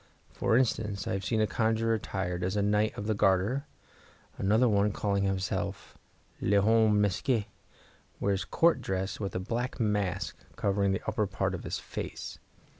For instance, I have seen a conjurer attired as a Knight of the Garter; another one, calling himself L'homme masqué, wears Court dress with a black mask covering the upper part of his face.